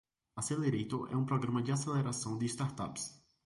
Accelerator é um programa de aceleração de startups.